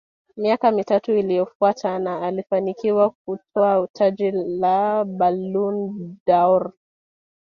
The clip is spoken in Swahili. miaka mitatu iliyofuata na alifanikiwa kutwaa taji la Ballon dâOr